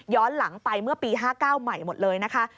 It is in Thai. หลังไปเมื่อปี๕๙ใหม่หมดเลยนะคะ